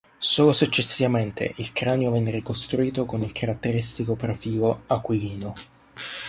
Solo successivamente il cranio venne ricostruito con il caratteristico profilo "aquilino".